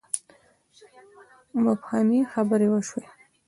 مبهمې خبرې وشوې.